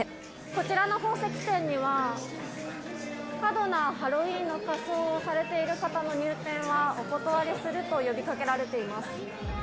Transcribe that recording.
こちらの宝石店には、過度なハロウィーンの仮装をされている方の入店はお断りすると呼びかけられています。